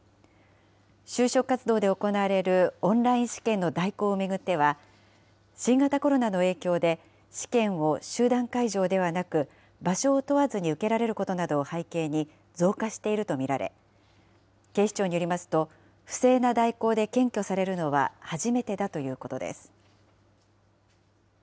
就職活動で行われるオンライン試験の代行を巡っては、新型コロナの影響で、試験を集団会場ではなく、場所を問わずに受けられることなどを背景に増加していると見られ、警視庁によりますと、不正な代行で検挙されるのは初めてだということです。